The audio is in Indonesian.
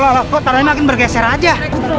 lho lho lho kok taranya makin bergeser aja